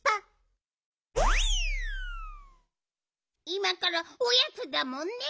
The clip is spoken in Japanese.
いまからおやつだもんね。